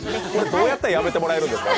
どうやったらやめてもらえるんですか？